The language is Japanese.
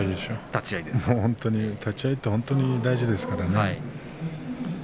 立ち合いって本当に大事ですからね。